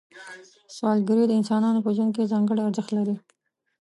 سوداګري د انسانانو په ژوند کې ځانګړی ارزښت لري.